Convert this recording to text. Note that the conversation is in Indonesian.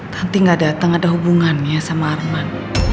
tanti gak dateng ada hubungannya sama arman